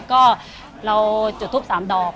ก็เราจุทุบ๓ดอก